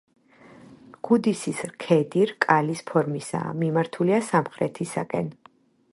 გუდისის ქედი რკალის ფორმისაა, მიმართულია სამხრეთისაკენ.